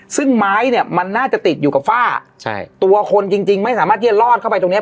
ซึ่งไม้เนี่ยมันน่าจะติดอยู่กับฝ้าใช่ตัวคนจริงจริงไม่สามารถที่จะลอดเข้าไปตรงเนี้ย